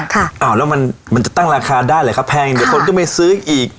อ้าวแล้วมันมันจะตั้งราคาได้หรือครับแพงเดี๋ยวคนก็ไม่ซื้ออีก